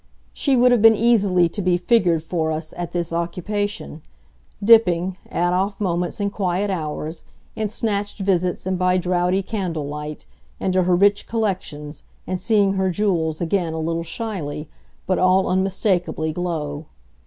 She would have been easily to be figured for us at this occupation; dipping, at off moments and quiet hours, in snatched visits and by draughty candle light, into her rich collections and seeing her jewels again a little shyly, but all unmistakably, glow.